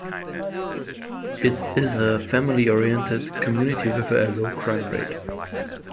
It is a family oriented community, with a low crime rate.